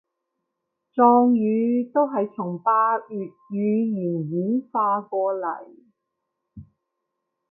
壯語都係從百越語言演化過禮